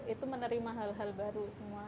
itu menerima hal hal baru semua